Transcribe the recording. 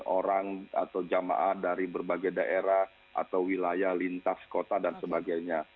orang atau jamaah dari berbagai daerah atau wilayah lintas kota dan sebagainya